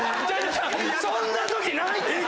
そんなときないって！